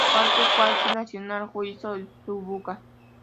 Parque Cuasi Nacional Suigō-Tsukuba.